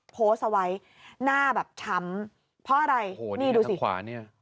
โพสต์เอาไว้หน้าแบบช้ำเพราะอะไรโอ้โหนี่ดูสิขวาเนี่ย